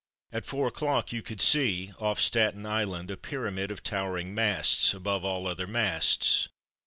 At four o'clock you could see, off Staten Island, a pyramid of towering masts above all other masts.